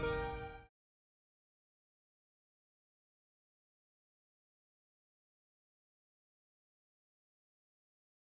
baik gitu ya